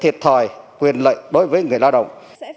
thiệt thòi quyền lệnh đối với người lao động